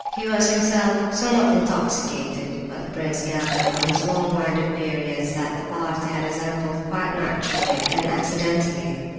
He was himself somewhat intoxicated, but the prince gathered from his long winded periods that the party had assembled quite naturally, and accidentally.